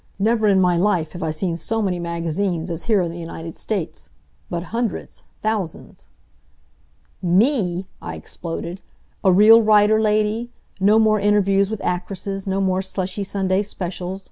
Never in my life have I seen so many magazines as here in the United States. But hundreds! Thousands!" "Me!" I exploded "A real writer lady! No more interviews with actresses! No more slushy Sunday specials!